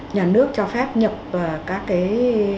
nhà nước cho phép nhập các cái